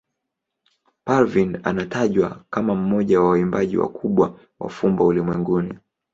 Parveen anatajwa kama mmoja wa waimbaji wakubwa wa fumbo ulimwenguni.